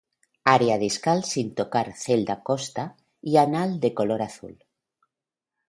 Área discal sin tocar celda costa y anal de color azul.